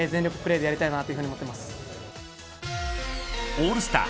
オールスター